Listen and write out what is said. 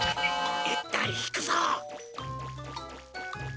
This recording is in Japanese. いいったんひくぞ！